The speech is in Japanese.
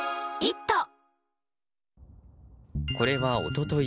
これは一昨日